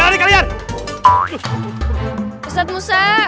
oh itu biar keroknya